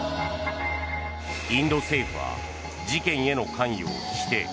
インド政府は事件への関与を否定。